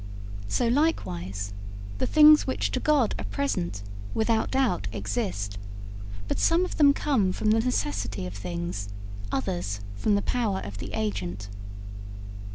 So likewise the things which to God are present without doubt exist, but some of them come from the necessity of things, others from the power of the agent.